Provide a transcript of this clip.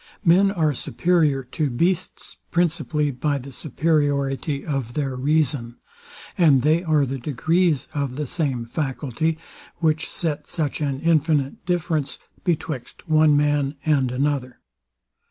Men are superior to beasts principally by the superiority of their reason; and they are the degrees of the same faculty, which set such an infinite difference betwixt one man and another.